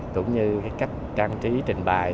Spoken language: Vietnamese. cũng như cái cách trang trí trình bài